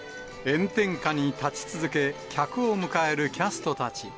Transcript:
炎天下に立ち続け、客を迎えるキャストたち。